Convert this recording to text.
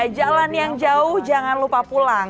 jalan yang jauh jangan lupa pulang